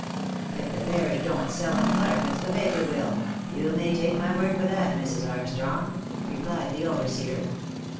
"If the parish don't sell 'em, Larkins the baker will, you may take my word for that, Mrs. Armstrong," replied the overseer.